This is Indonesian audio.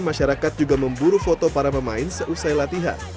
masyarakat juga memburu foto para pemain seusai latihan